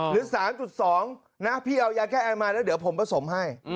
หรือ๓๒นะพี่เอายาแก้แอนมาแล้วเดี๋ยวผมผสมให้